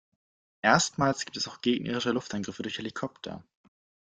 Erstmals gibt es auch gegnerische Luftangriffe durch Helikopter.